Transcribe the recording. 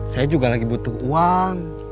saya juga lagi butuh uang